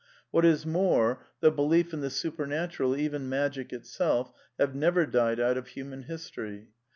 What is more, the belief in the supernatural, even Magic itself, have never died out of human history.